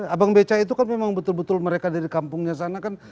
abang beca itu kan memang betul betul mereka dari kampungnya sana kan